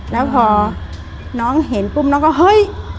แล้วพอน้องเห็นปุ๊บน้องก็เฮ้ย